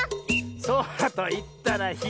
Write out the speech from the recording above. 「そらといったらひろい！」